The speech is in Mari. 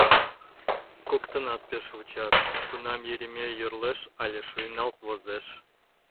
Коктынат пеш вучат, кунам Еремей йӧрлеш але шуйналт возеш.